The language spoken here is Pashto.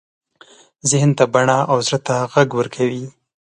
ذهن ته بڼه او زړه ته غږ ورکوي.